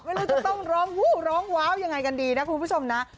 ไม่รู้จะต้องร้องหูร้องว้าวยังไงกันดีนะคุณผู้ชมนะ